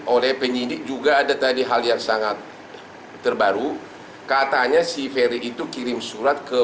oleh penyidik juga ada tadi hal yang sangat terbaru katanya si ferry itu kirim surat ke